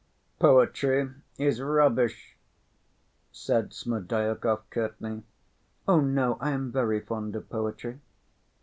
"Poetry is rubbish!" said Smerdyakov curtly. "Oh, no! I am very fond of poetry."